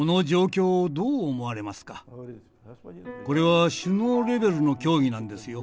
これは首脳レベルの協議なんですよ。